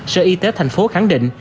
sở y tế thành phố khẳng định